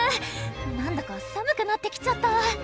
なんだか寒くなってきちゃった。